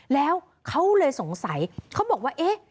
แล้วเขาเลยสงสัยเขาบอกว่าเอ๊ะ